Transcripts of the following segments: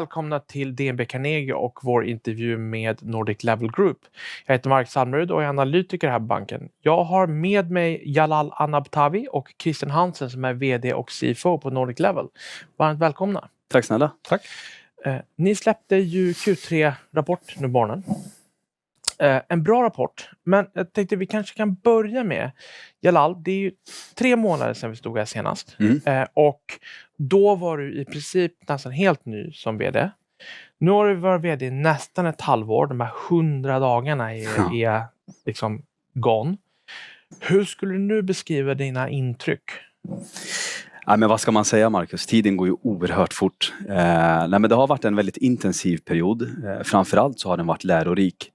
Välkomna till DNB Carnegie och vår intervju med Nordic LEVEL Group. Jag heter Mark Sandlrud och är analytiker här på banken. Jag har med mig Jalal Anabtawi och Christian Hansen som är VD och CFO på Nordic LEVEL. Varmt välkomna. Tack snälla. Tack. Ni släppte ju Q3-rapport nu på morgonen. En bra rapport, men jag tänkte att vi kanske kan börja med Jalal. Det är ju tre månader sen vi stod här senast. Då var du i princip nästan helt ny som VD. Nu har du varit VD i nästan ett halvår. De här hundra dagarna är liksom gångna. Hur skulle du nu beskriva dina intryck? Nej, men vad ska man säga, Marcus? Tiden går ju oerhört fort. Nej, men det har varit en väldigt intensiv period. Framför allt så har den varit lärorik.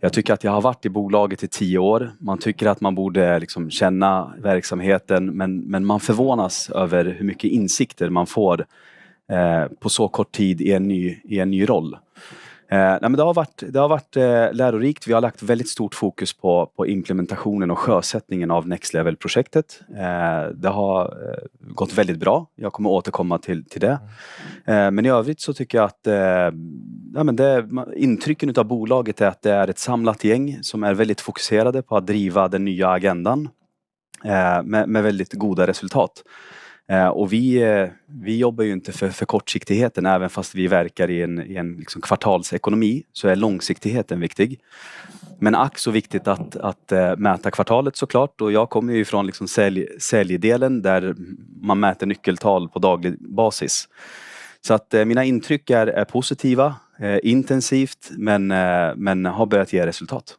Jag tycker att jag har varit i bolaget i tio år. Man tycker att man borde liksom känna verksamheten, men man förvånas över hur mycket insikter man får på så kort tid i en ny roll. Nej, men det har varit lärorikt. Vi har lagt väldigt stort fokus på implementationen och sjösättningen av Next Level-projektet. Det har gått väldigt bra. Jag kommer återkomma till det. Men i övrigt så tycker jag att intrycken av bolaget är att det är ett samlat gäng som är väldigt fokuserade på att driva den nya agendan med väldigt goda resultat. Vi jobbar ju inte för kortsiktigheten, även fast vi verkar i en kvartalsekonomi så är långsiktigheten viktig. Men ack så viktigt att mäta kvartalet såklart. Och jag kommer ju från säljdelen där man mäter nyckeltal på daglig basis. Så mina intryck är positiva, intensivt, men har börjat ge resultat.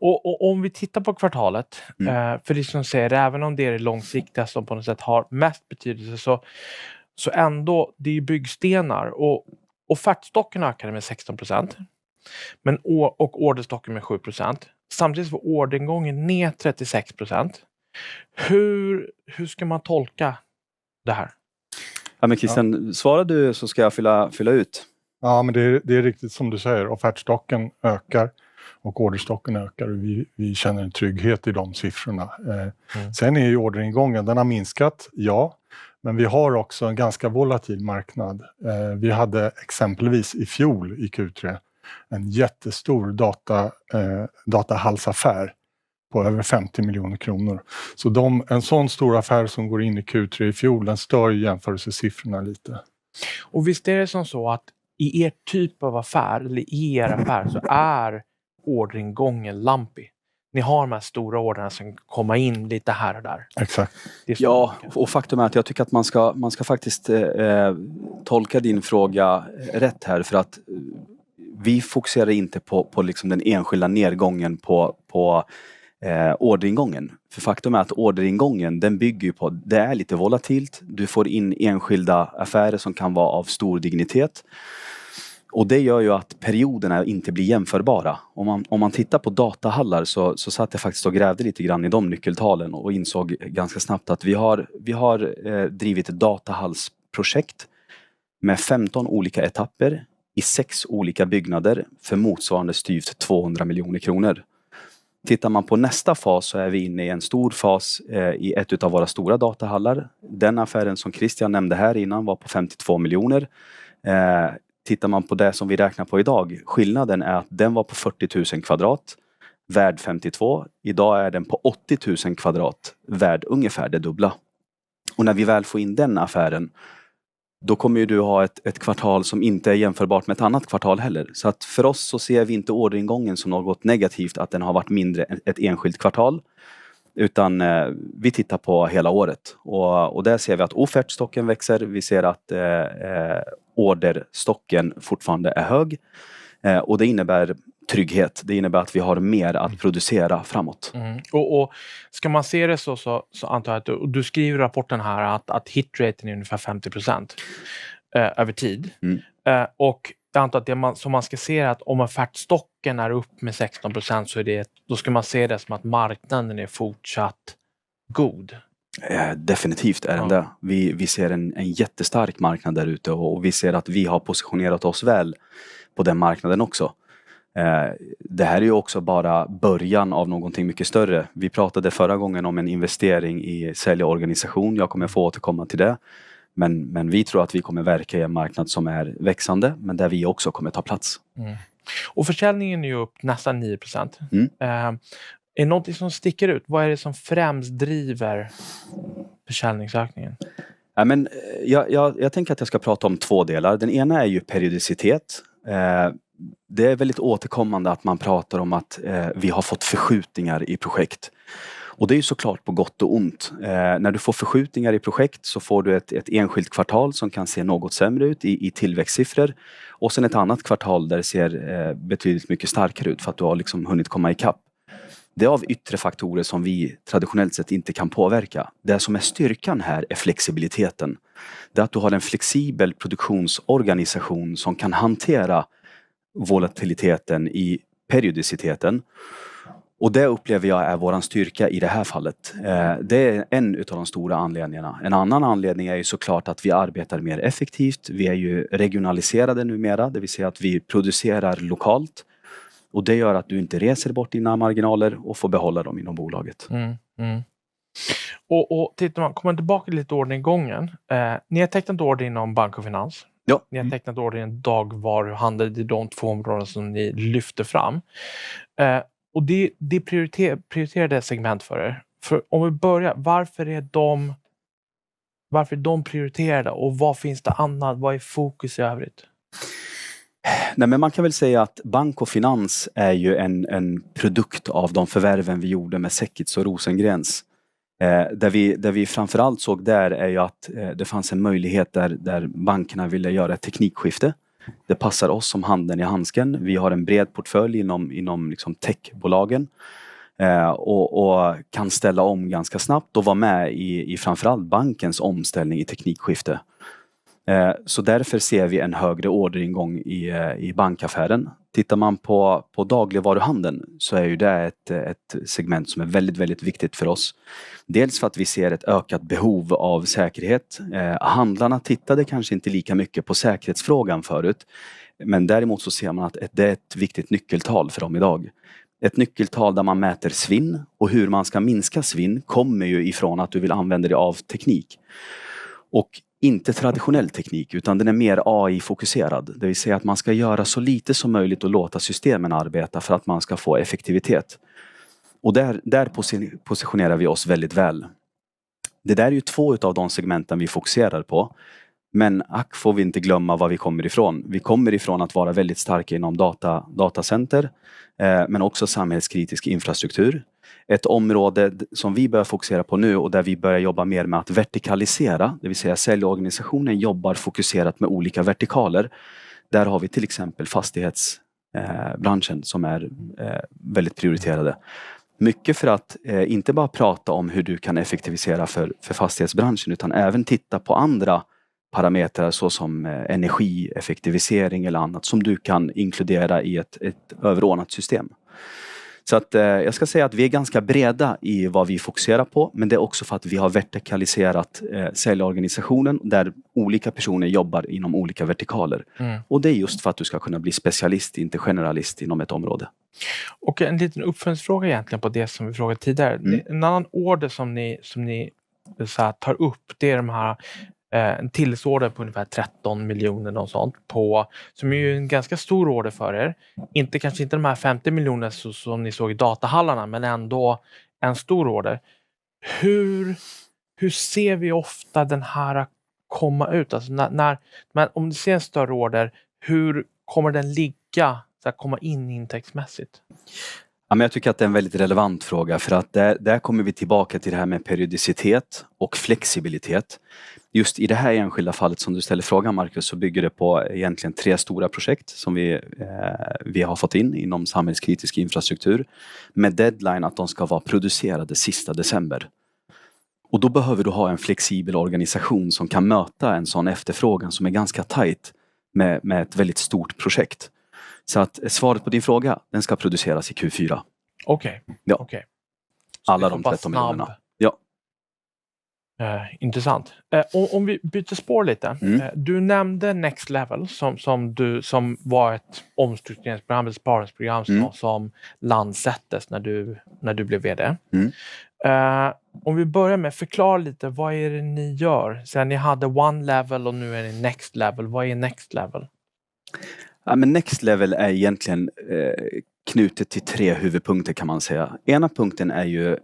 Och om vi tittar på kvartalet, för liksom säger även om det är det långsiktigaste och på något sätt har mest betydelse så ändå, det är ju byggstenar. Och offertstocken ökade med 16% och orderstocken med 7%. Samtidigt var orderingången ner 36%. Hur ska man tolka det här? Ja, men Christian, svarar du så ska jag fylla ut. Ja, men det är riktigt som du säger. Offertstocken ökar och orderstocken ökar. Vi känner en trygghet i de siffrorna. Sen är ju orderingången, den har minskat, ja. Men vi har också en ganska volatil marknad. Vi hade exempelvis i fjol i Q3 en jättestor datahalsaffär på över 50 miljoner kronor. Så en sån stor affär som går in i Q3 i fjol, den stör ju jämförelsesiffrorna lite. Och visst är det så att i den här typen av affär, eller i affären, så är orderingången ojämn? Ni har de här stora ordrarna som kommer in lite här och där. Exactly. Ja, och faktum är att jag tycker att man ska faktiskt tolka din fråga rätt här för att vi fokuserar inte på den enskilda nedgången på orderingången. För faktum är att orderingången, den bygger ju på, det är lite volatilt. Du får in enskilda affärer som kan vara av stor dignitet. Och det gör ju att perioderna inte blir jämförbara. Om man tittar på datahallar så satt jag faktiskt och grävde lite grann i de nyckeltalen och insåg ganska snabbt att vi har drivit ett datahalsprojekt med 15 olika etapper i sex olika byggnader för motsvarande styva 200 miljoner kronor. Tittar man på nästa fas så är vi inne i en stor fas i ett av våra stora datahallar. Den affären som Christian nämnde här innan var på 52 miljoner. Tittar man på det som vi räknar på idag, skillnaden är att den var på 40 000 kvadrat, värd 52. Idag är den på 80 000 kvadratmeter, värd ungefär det dubbla. När vi väl får in den affären, då kommer du ha ett kvartal som inte är jämförbart med ett annat kvartal heller. För oss så ser vi inte orderingången som något negativt, att den har varit mindre än ett enskilt kvartal. Utan vi tittar på hela året. Där ser vi att offertstocken växer, vi ser att orderstocken fortfarande är hög. Det innebär trygghet. Det innebär att vi har mer att producera framåt. Och ska man se det så antar jag att du skriver i rapporten här att hitraten är ungefär 50% över tid. Och jag antar att det som man ska se är att om offertstocken är upp med 16% så är det, då ska man se det som att marknaden är fortsatt god. Definitivt är den det. Vi ser en jättestark marknad där ute och vi ser att vi har positionerat oss väl på den marknaden också. Det här är ju också bara början av någonting mycket större. Vi pratade förra gången om en investering i säljorganisation. Jag kommer få återkomma till det. Men vi tror att vi kommer verka i en marknad som är växande, men där vi också kommer ta plats. Och försäljningen är ju upp nästan 9%. Är det någonting som sticker ut? Vad är det som främst driver försäljningsökningen? Nej, men jag tänker att jag ska prata om två delar. Den ena är ju periodicitet. Det är väldigt återkommande att man pratar om att vi har fått förskjutningar i projekt. Det är ju såklart på gott och ont. När du får förskjutningar i projekt så får du ett enskilt kvartal som kan se något sämre ut i tillväxtsiffror. Sen ett annat kvartal där det ser betydligt mycket starkare ut för att du har liksom hunnit komma ikapp. Det är av yttre faktorer som vi traditionellt sett inte kan påverka. Det som är styrkan här är flexibiliteten. Det är att du har en flexibel produktionsorganisation som kan hantera volatiliteten i periodiciteten. Det upplever jag är vår styrka i det här fallet. Det är en av de stora anledningarna. En annan anledning är ju såklart att vi arbetar mer effektivt. Vi är ju regionaliserade numera, det vill säga att vi producerar lokalt. Och det gör att du inte reser bort dina marginaler och får behålla dem inom bolaget. Och tittar man, kommer tillbaka lite till orderingången. Ni har tecknat order inom bank och finans. Ni har tecknat order inom dagvaruhandel. Det är de två områden som ni lyfter fram. Och det är prioriterade segment för er. Om vi börjar, varför är de prioriterade och vad finns det annat? Vad är fokus i övrigt? Nej, men man kan väl säga att bank och finans är ju en produkt av de förvärven vi gjorde med Secit och Rosengrens. Där vi framför allt såg att det fanns en möjlighet där bankerna ville göra ett teknikskifte. Det passar oss som handen i handsken. Vi har en bred portfölj inom techbolagen och kan ställa om ganska snabbt och vara med i framför allt bankens omställning i teknikskifte. Så därför ser vi en högre orderingång i bankaffären. Tittar man på dagligvaruhandeln så är ju det ett segment som är väldigt, väldigt viktigt för oss. Dels för att vi ser ett ökat behov av säkerhet. Handlarna tittade kanske inte lika mycket på säkerhetsfrågan förut. Men däremot så ser man att det är ett viktigt nyckeltal för dem idag. Ett nyckeltal där man mäter svinn och hur man ska minska svinn kommer ju ifrån att du vill använda dig av teknik. Och inte traditionell teknik utan den är mer AI-fokuserad. Det vill säga att man ska göra så lite som möjligt och låta systemen arbeta för att man ska få effektivitet. Och där positionerar vi oss väldigt väl. Det där är ju två av de segmenten vi fokuserar på. Men vi får inte glömma var vi kommer ifrån. Vi kommer ifrån att vara väldigt starka inom datacenter, men också samhällskritisk infrastruktur. Ett område som vi börjar fokusera på nu och där vi börjar jobba mer med att vertikalisera, det vill säga säljorganisationen jobbar fokuserat med olika vertikaler. Där har vi till exempel fastighetsbranschen som är väldigt prioriterad. Mycket för att inte bara prata om hur du kan effektivisera för fastighetsbranschen utan även titta på andra parametrar såsom energieffektivisering eller annat som du kan inkludera i ett överordnat system. Så jag ska säga att vi är ganska breda i vad vi fokuserar på, men det är också för att vi har vertikaliserat säljorganisationen där olika personer jobbar inom olika vertikaler. Det är just för att du ska kunna bli specialist, inte generalist inom ett område. Och en liten uppföljningsfråga egentligen på det som vi frågade tidigare. En annan order som ni tar upp, det är de här tillsordrar på ungefär 13 miljoner kronor något sånt, som ju är en ganska stor order för er. Inte kanske inte de här 50 miljoner kronor som ni såg i datahallarna, men ändå en stor order. Hur ser ni ofta den här komma ut? Alltså, när ni ser en större order, hur kommer den att ligga för att komma in tidsmässigt? Jag tycker att det är en väldigt relevant fråga. För att där kommer vi tillbaka till det här med periodicitet och flexibilitet. Just i det här enskilda fallet som du ställer frågan, Marcus, så bygger det på egentligen tre stora projekt som vi har fått in inom samhällskritisk infrastruktur. Med deadline att de ska vara producerade sista december. Och då behöver du ha en flexibel organisation som kan möta en sådan efterfrågan som är ganska tajt med ett väldigt stort projekt. Så svaret på din fråga, den ska produceras i Q4. Okej. Alla de 13 miljoner. Intressant. Och om vi byter spår lite. Du nämnde Next Level som var ett omstrukturerings- och handelssparringsprogram som lanserades när du blev VD. Om vi börjar med att förklara lite, vad är det ni gör? Så ni hade One Level och nu är ni Next Level. Vad är Next Level? Next Level är egentligen knutet till tre huvudpunkter kan man säga. Ena punkten är ju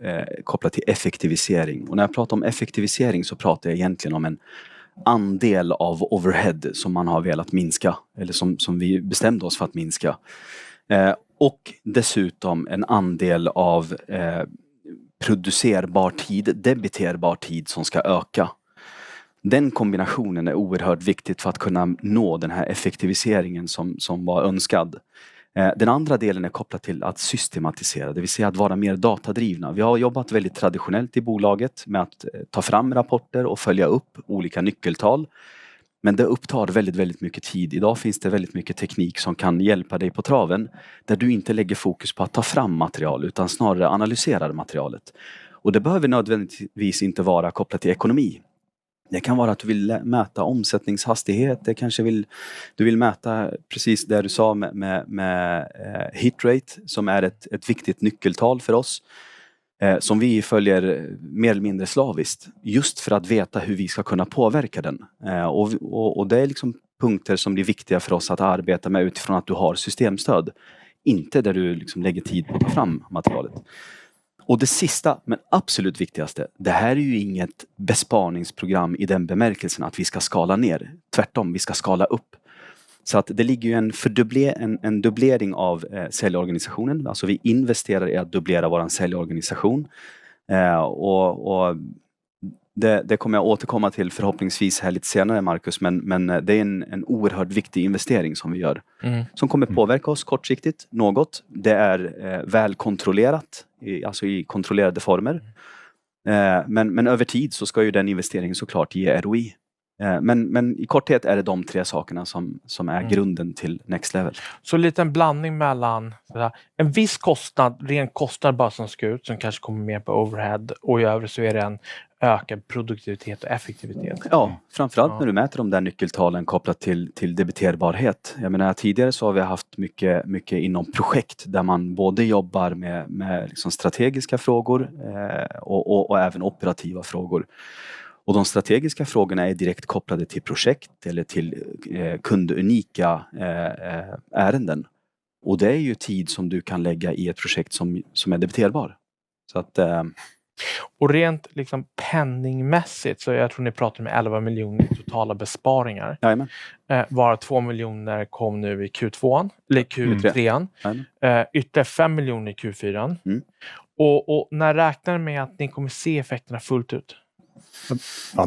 kopplat till effektivisering. När jag pratar om effektivisering så pratar jag egentligen om en andel av overhead som man har velat minska, eller som vi bestämde oss för att minska. Dessutom en andel av producerbar tid, debiterbar tid som ska öka. Den kombinationen är oerhört viktigt för att kunna nå den här effektiviseringen som var önskad. Den andra delen är kopplat till att systematisera, det vill säga att vara mer datadrivna. Vi har jobbat väldigt traditionellt i bolaget med att ta fram rapporter och följa upp olika nyckeltal. Men det upptar väldigt, väldigt mycket tid. Idag finns det väldigt mycket teknik som kan hjälpa dig på traven, där du inte lägger fokus på att ta fram material utan snarare analyserar materialet. Det behöver nödvändigtvis inte vara kopplat till ekonomi. Det kan vara att du vill mäta omsättningshastighet, det kanske du vill mäta precis det du sa med hitrate, som är ett viktigt nyckeltal för oss, som vi följer mer eller mindre slaviskt, just för att veta hur vi ska kunna påverka den. Det är punkter som blir viktiga för oss att arbeta med utifrån att du har systemstöd, inte där du lägger tid på att ta fram materialet. Det sista, men absolut viktigaste, det här är ju inget besparingsprogram i den bemärkelsen att vi ska skala ner. Tvärtom, vi ska skala upp. Det ligger ju en dubblering av säljorganisationen, alltså vi investerar i att dubblera vår säljorganisation. Det kommer jag återkomma till förhoppningsvis här lite senare, Marcus, men det är en oerhört viktig investering som vi gör, som kommer påverka oss kortsiktigt något. Det är väl kontrollerat, alltså i kontrollerade former. Men över tid så ska ju den investeringen såklart ge ROI. Men i korthet är det de tre sakerna som är grunden till Next Level. Så en liten blandning mellan en viss kostnad, ren kostnad bara som ska ut, som kanske kommer mer på overhead, och i övrigt så är det en ökad produktivitet och effektivitet. Ja, framför allt när du mäter de där nyckeltalen kopplat till debiterbarhet. Jag menar, tidigare så har vi haft mycket inom projekt där man både jobbar med strategiska frågor och även operativa frågor. Och de strategiska frågorna är direkt kopplade till projekt eller till kundunika ärenden. Och det är ju tid som du kan lägga i ett projekt som är debiterbar. Och rent liksom penningmässigt så, jag tror ni pratar om 11 miljoner totala besparingar. Våra 2 miljoner kom nu i Q2, eller Q3. Ytterligare 5 miljoner i Q4. Och när räknar ni med att ni kommer se effekterna fullt ut? Ja,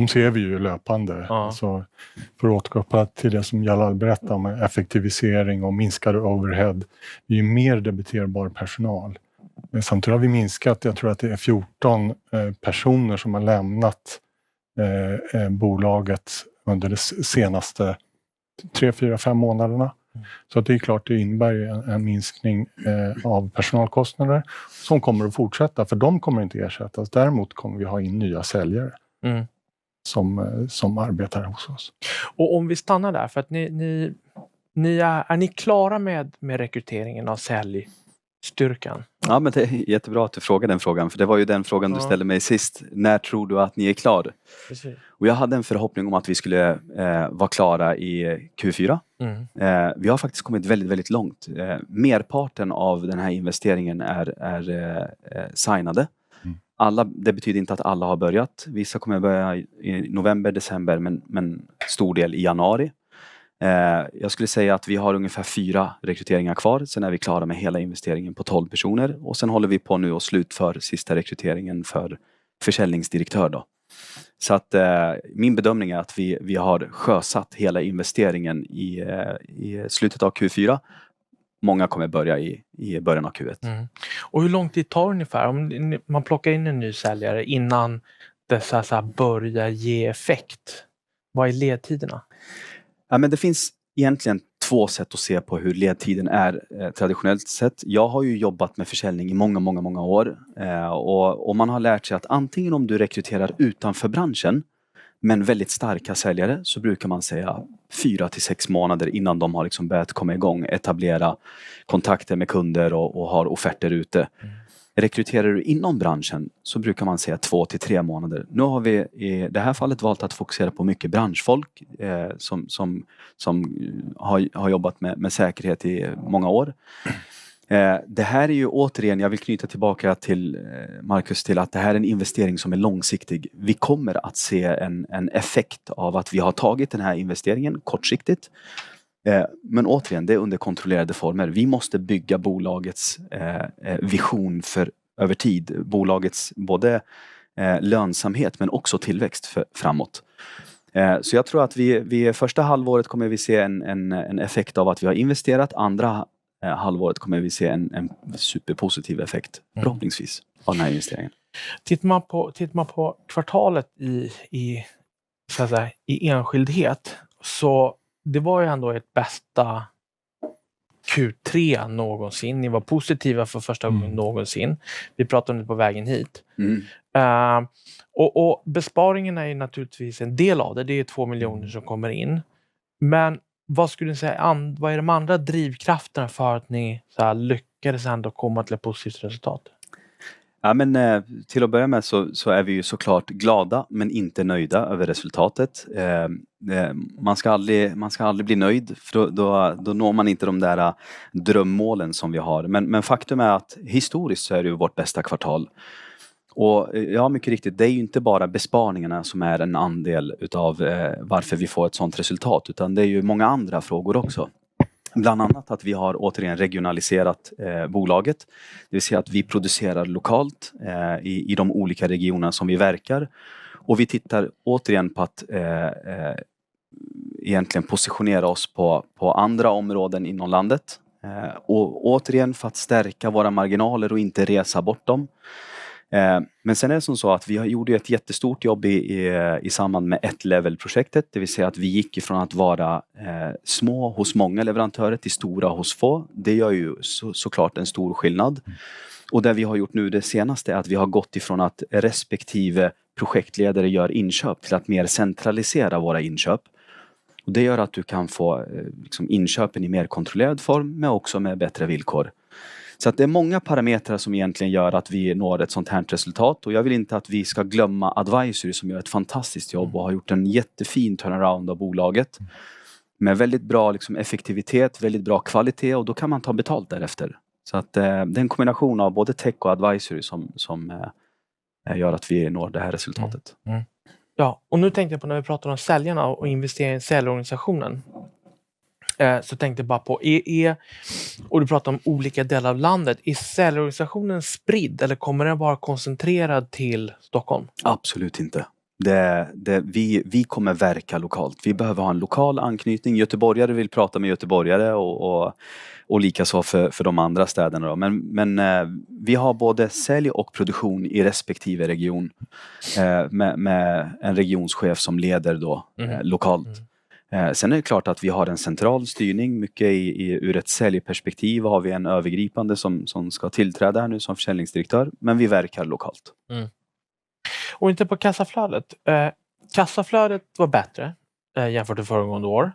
det ser vi ju löpande. Så för att återgå till det som Jalal berättade om effektivisering och minskad overhead. Vi är ju mer debiterbar personal. Samtidigt har vi minskat, jag tror att det är 14 personer som har lämnat bolaget under de senaste 3, 4, 5 månaderna. Så det är klart det innebär ju en minskning av personalkostnader som kommer att fortsätta, för de kommer inte att ersättas. Däremot kommer vi ha in nya säljare som arbetar hos oss. Och om vi stannar där, för att ni är ni klara med rekryteringen av säljstyrkan? Ja, men det är jättebra att du frågar den frågan, för det var ju den frågan du ställde mig sist. När tror du att ni är klara? Och jag hade en förhoppning om att vi skulle vara klara i Q4. Vi har faktiskt kommit väldigt, väldigt långt. Merparten av den här investeringen är signade. Det betyder inte att alla har börjat. Vissa kommer att börja i november, december, men stor del i januari. Jag skulle säga att vi har ungefär fyra rekryteringar kvar, sen är vi klara med hela investeringen på 12 personer. Och sen håller vi på nu och slutför sista rekryteringen för försäljningsdirektör då. Så min bedömning är att vi har sjösatt hela investeringen i slutet av Q4. Många kommer börja i början av Q1. Och hur lång tid tar det ungefär om man plockar in en ny säljare innan det så här börjar ge effekt? Vad är ledtiderna? Ja, men det finns egentligen två sätt att se på hur ledtiden är traditionellt sett. Jag har ju jobbat med försäljning i många, många, många år. Man har lärt sig att antingen om du rekryterar utanför branschen, men väldigt starka säljare, så brukar man säga 4-6 månader innan de har börjat komma igång, etablera kontakter med kunder och har offerter ute. Rekryterar du inom branschen så brukar man säga 2-3 månader. Nu har vi i det här fallet valt att fokusera på mycket branschfolk som har jobbat med säkerhet i många år. Det här är ju återigen, jag vill knyta tillbaka till Marcus, att det här är en investering som är långsiktig. Vi kommer att se en effekt av att vi har tagit den här investeringen kortsiktigt. Men återigen, det är under kontrollerade former. Vi måste bygga bolagets vision för över tid, bolagets både lönsamhet men också tillväxt framåt. Så jag tror att vi i första halvåret kommer vi se en effekt av att vi har investerat. Andra halvåret kommer vi se en superpositiv effekt, förhoppningsvis, av den här investeringen. Tittar man på kvartalet i så här i enskildhet så var det var ju ändå ert bästa Q3 någonsin. Ni var positiva för första gången någonsin. Vi pratar nu på vägen hit. Besparingen är ju naturligtvis en del av det. Det är ju 2 miljoner som kommer in. Men vad skulle ni säga, vad är de andra drivkrafterna för att ni lyckades ändå komma till ett positivt resultat? Ja, men till att börja med så är vi ju såklart glada, men inte nöjda över resultatet. Man ska aldrig, man ska aldrig bli nöjd, för då når man inte de där drömmålen som vi har. Men faktum är att historiskt så är det ju vårt bästa kvartal. Och ja, mycket riktigt, det är ju inte bara besparingarna som är en andel av varför vi får ett sådant resultat, utan det är ju många andra frågor också. Bland annat att vi har återigen regionaliserat bolaget. Det vill säga att vi producerar lokalt i de olika regionerna som vi verkar. Och vi tittar återigen på att egentligen positionera oss på andra områden inom landet. Och återigen för att stärka våra marginaler och inte resa bort dem. Men sen är det som så att vi gjorde ju ett jättestort jobb i samband med Ett Level-projektet. Det vill säga att vi gick ifrån att vara små hos många leverantörer till stora hos få. Det gör ju såklart en stor skillnad. Och det vi har gjort nu det senaste är att vi har gått ifrån att respektive projektledare gör inköp till att mer centralisera våra inköp. Och det gör att du kan få inköpen i mer kontrollerad form, men också med bättre villkor. Så det är många parametrar som egentligen gör att vi når ett sådant här resultat. Och jag vill inte att vi ska glömma Advisory som gör ett fantastiskt jobb och har gjort en jättefin turnaround av bolaget. Med väldigt bra effektivitet, väldigt bra kvalitet, och då kan man ta betalt därefter. Så det är en kombination av både tech och Advisory som gör att vi når det här resultatet. Ja, och nu tänkte jag på när vi pratar om säljarna och investerar i säljorganisationen. Så tänkte jag bara på, är, och du pratar om olika delar av landet, är säljorganisationen spridd eller kommer den vara koncentrerad till Stockholm? Absolut inte. Det är vi kommer verka lokalt. Vi behöver ha en lokal anknytning. Göteborgare vill prata med göteborgare och likaså för de andra städerna. Men vi har både sälj och produktion i respektive region med en regionchef som leder då lokalt. Sen är det klart att vi har en central styrning. Mycket ur ett säljperspektiv har vi en övergripande som ska tillträda här nu som försäljningsdirektör. Men vi verkar lokalt. Och inte på kassaflödet. Kassaflödet var bättre jämfört med föregående år.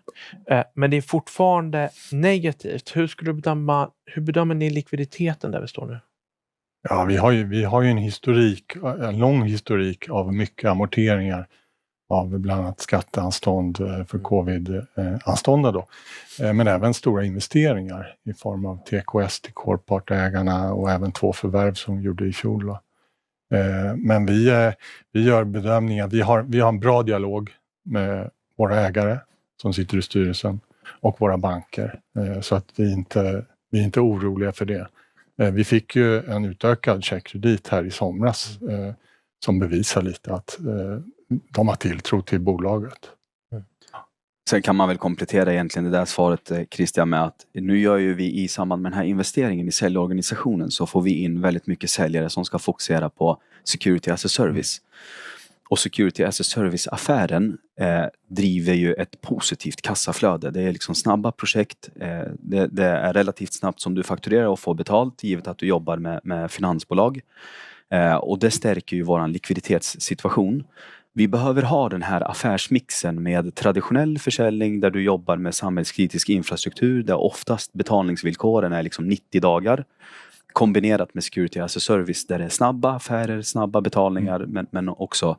Men det är fortfarande negativt. Hur skulle du bedöma, hur bedömer ni likviditeten där vi står nu? Ja, vi har ju en historik, en lång historik av mycket amorteringar av bland annat skatteanstånd för COVID-anstånda. Men även stora investeringar i form av TKS till korpartägarna och även två förvärv som vi gjorde i fjol. Men vi gör bedömningar. Vi har en bra dialog med våra ägare som sitter i styrelsen och våra banker. Så vi är inte oroliga för det. Vi fick ju en utökad checkkredit här i somras som bevisar lite att de har tilltro till bolaget. Sen kan man väl komplettera egentligen det där svaret, Christian, med att nu gör ju vi i samband med den här investeringen i säljorganisationen så får vi in väldigt mycket säljare som ska fokusera på security as a service. Och security as a service-affären driver ju ett positivt kassaflöde. Det är snabba projekt. Det är relativt snabbt som du fakturerar och får betalt, givet att du jobbar med finansbolag. Och det stärker ju vår likviditetssituation. Vi behöver ha den här affärsmixen med traditionell försäljning där du jobbar med samhällskritisk infrastruktur, där oftast betalningsvillkoren är liksom 90 dagar, kombinerat med security as a service där det är snabba affärer, snabba betalningar, men också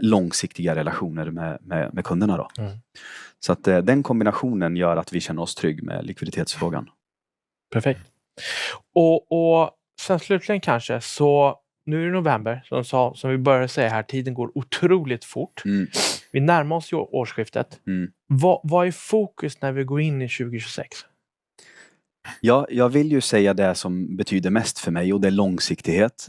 långsiktiga relationer med kunderna. Så den kombinationen gör att vi känner oss trygga med likviditetsfrågan. Perfekt. Och sen slutligen kanske, så nu är det november, som vi började säga här, tiden går otroligt fort. Vi närmar oss ju årsskiftet. Vad är fokus när vi går in i 2025? Jag vill ju säga det som betyder mest för mig, och det är långsiktighet.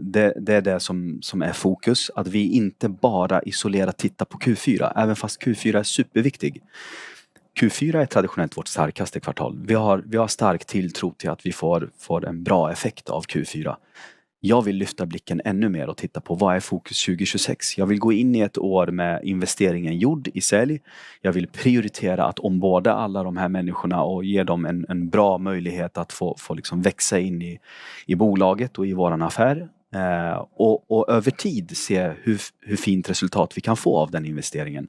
Det är det som är fokus, att vi inte bara isolerat tittar på Q4, även fast Q4 är superviktig. Q4 är traditionellt vårt starkaste kvartal. Vi har stark tilltro till att vi får en bra effekt av Q4. Jag vill lyfta blicken ännu mer och titta på vad är fokus 2026. Jag vill gå in i ett år med investeringen gjord i sälj. Jag vill prioritera att omborda alla de här människorna och ge dem en bra möjlighet att få växa in i bolaget och i vår affär. Över tid se hur fint resultat vi kan få av den investeringen.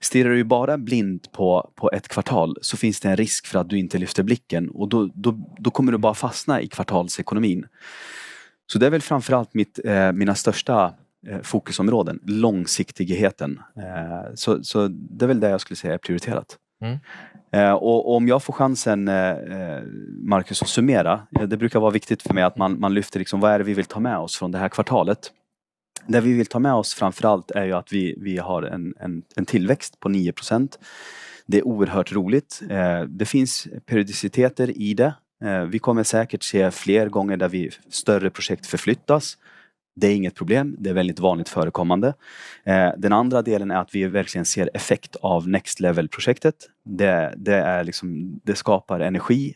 Stirrar du bara blint på ett kvartal så finns det en risk för att du inte lyfter blicken, och då kommer du bara fastna i kvartalsekonomin. Det är väl framför allt mina största fokusområden, långsiktigheten. Det är väl det jag skulle säga är prioriterat. Om jag får chansen, Marcus, summera. Det brukar vara viktigt för mig att man lyfter vad är det vi vill ta med oss från det här kvartalet. Det vi vill ta med oss framför allt är ju att vi har en tillväxt på 9%. Det är oerhört roligt. Det finns periodiciteter i det. Vi kommer säkert se fler gånger där vi större projekt förflyttas. Det är inget problem. Det är väldigt vanligt förekommande. Den andra delen är att vi verkligen ser effekt av Next Level-projektet. Det skapar energi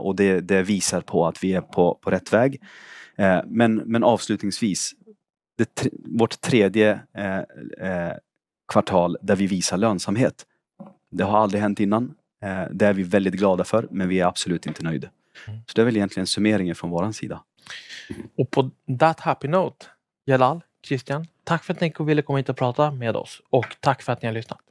och det visar på att vi är på rätt väg. Men avslutningsvis, det vårt tredje kvartal där vi visar lönsamhet. Det har aldrig hänt innan. Det är vi väldigt glada för, men vi är absolut inte nöjda. Så det är väl egentligen summeringen från vår sida. Och på that happy note, Jalal, Christian, tack för att ni ville komma hit och prata med oss. Och tack för att ni har lyssnat.